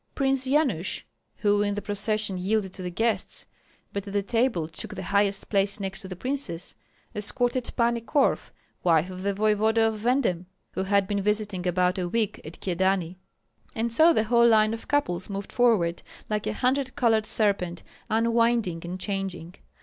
Prince Yanush, who in the procession yielded to the guests, but at the table took the highest place next to the princess, escorted Pani Korf, wife of the voevoda of Venden, who had been visiting about a week at Kyedani. And so the whole line of couples moved forward, like a hundred colored serpent, unwinding and changing.